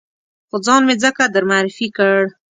خو ځان مې ځکه در معرفي کړ.